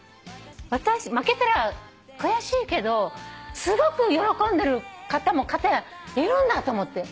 負けたら悔しいけどすごく喜んでる方も片やいるんだと思って。